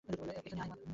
এখানে আয়!